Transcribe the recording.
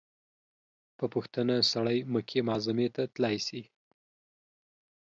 په پوښتنه سړى مکې معظمې ته تلاى سي.